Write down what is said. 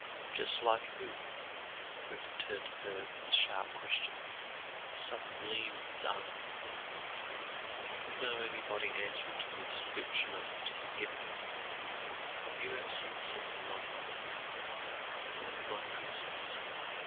"Just like who?" Rupert turned to her with the sharp question, a sudden gleam in his eyes. "Do you know anybody answering to the description I have just given? Have you ever seen someone like like my princess?"